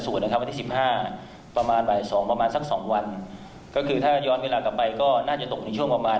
ส่วนที่บริเวณอวัยวะเพศของเด็กไม่พบร่องรอยที่เกิดจากการถูกล่วงละเมิดเยื่อพรหมจารย์